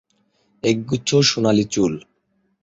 এক গুচ্ছ সোনালী চুল।